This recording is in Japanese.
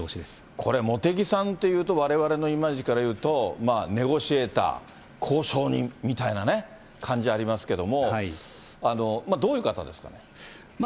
これ、茂木さんっていうと、われわれのイメージからいうと、ネゴシエーター、交渉人みたいなね、感じありますけども、どういう方ですかね。